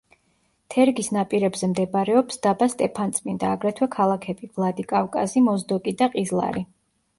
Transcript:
თერგის ნაპირებზე მდებარეობს დაბა სტეფანწმინდა, აგრეთვე ქალაქები: ვლადიკავკაზი, მოზდოკი და ყიზლარი.